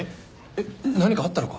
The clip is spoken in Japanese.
えっ何かあったのか？